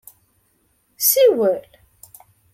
Siwel!